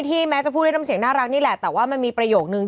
ที่แม้จะพูดเรื่องทำเสียงน่ารักนี่แหละแต่ว่ามันมีประโยชน์นึง